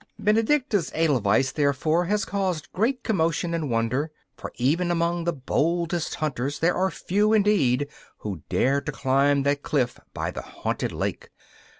Benedicta's edelweiss, therefore, has caused great commotion and wonder, for even among the boldest hunters there are few, indeed, who dare to climb that cliff by the haunted lake.